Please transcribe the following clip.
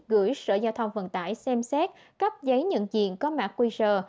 gửi sở giao thông vận tải xem xét cấp giấy nhận diện có mạng quy sơ